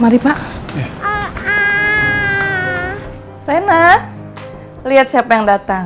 rea lihat siapa yang datang